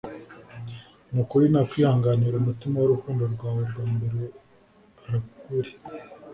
nukuri nakwihanganira umutima wurukundo rwawe rwa mbere arukuri